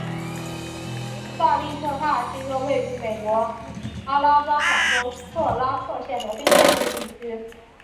萨利特帕是一个位于美国阿拉巴马州克拉克县的非建制地区。